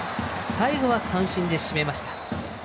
最後は三振で締めました。